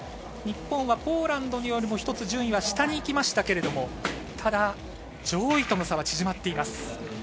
日本はポーランドよりも１つ順位は下にいきましたけれども、ただ、上位との差は縮まっています